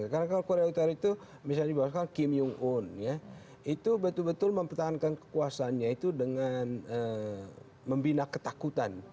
karena kalau korea utara itu misalnya dibawah sekarang kim jong un ya itu betul betul mempertahankan kekuasanya itu dengan membina ketakutan